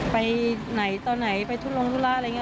ไปไหนตอนไหนไปทุลงธุระอะไรอย่างนี้